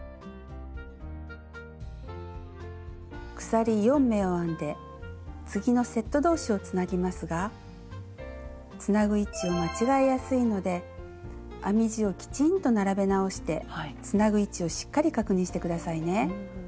鎖４目を編んで次のセット同士をつなぎますがつなぐ位置を間違えやすいので編み地をきちんと並べ直してつなぐ位置をしっかり確認して下さいね。